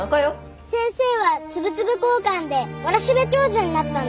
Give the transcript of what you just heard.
先生はつぶつぶこーかんでわらしべ長者になったんだぞ。